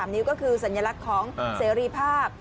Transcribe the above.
นิ้วก็คือสัญลักษณ์ของเสรีภาพ